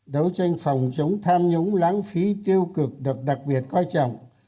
đấu tranh phòng chống tham nhũng lãng phí tiêu cực được đặc biệt coi trọng